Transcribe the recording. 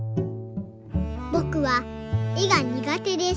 「ぼくは絵が苦手です。